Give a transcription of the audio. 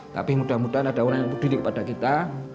tapi mudah mudahan ada orang yang peduli kepada kita